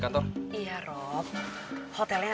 iya rob hotelnya